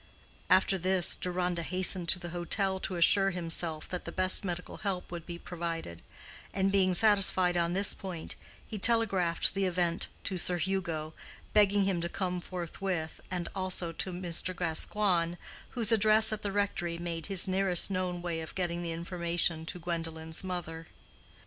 After this, Deronda hastened to the hotel to assure himself that the best medical help would be provided; and being satisfied on this point, he telegraphed the event to Sir Hugo, begging him to come forthwith, and also to Mr. Gascoigne, whose address at the rectory made his nearest known way of getting the information to Gwendolen's mother.